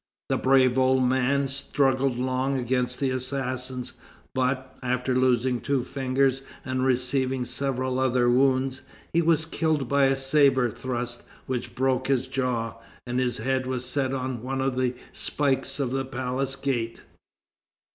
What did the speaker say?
The brave old man struggled long against the assassins, but, after losing two fingers and receiving several other wounds, he was killed by a sabre thrust which broke his jaw, and his head was set on one of the spikes of the palace gate.